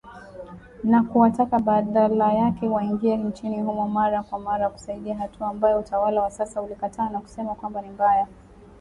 Na kuwataka badala yake waingie nchini humo mara kwa mara kusaidia hatua ambayo utawala wa sasa ulikataa na kusema kwamba ni mbaya.